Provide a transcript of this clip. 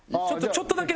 ちょっとだけ。